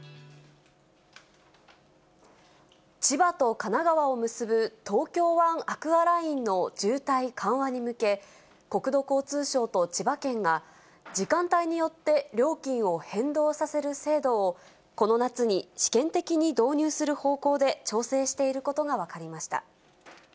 千葉と神奈川を結ぶ東京湾アクアラインの渋滞緩和に向け、国土交通省と千葉県が、時間帯によって料金を変動させる制度を、この夏に試験的に導入する方向で調整していることが分かりました。